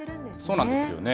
そうなんですよね。